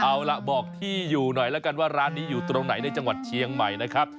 เอาล่ะบอกที่อยู่หน่อยแล้วกันว่าร้านนี้อยู่ตรงไหนในจังหวัดเชียงใหม่นะครับ